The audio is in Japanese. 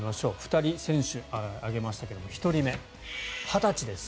２人、選手を挙げましたが１人目、２０歳です。